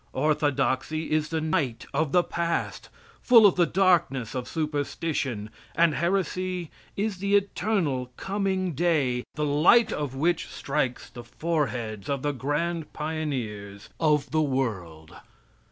Orthodoxy is the night of the past, full of the darkness of superstition, and heresy is the eternal coming day, the light of which strikes the grand foreheads of the intellectual pioneers of the world.